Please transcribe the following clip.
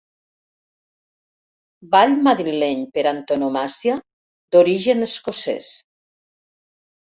Ball madrileny per antonomàsia, d'origen escocès.